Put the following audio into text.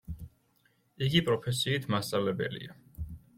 იგი პროფესიით მასწავლებელია.